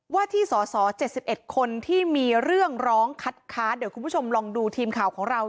ว่าที่สอสอ๗๑คนที่มีเรื่องร้องคัดค้านเดี๋ยวคุณผู้ชมลองดูทีมข่าวของเรา